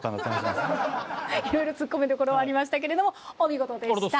いろいろ突っ込みどころはありましたけれどもお見事でした。